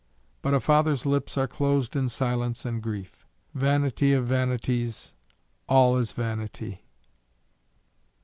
But a father's lips are closed in silence and grief! Vanity of vanities, all is vanity!